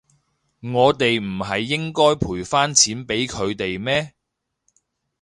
我哋唔係應該賠返錢畀佢哋咩？